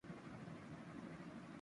تشدد کیس میں Amber Heard کے بیانات بھی مکمل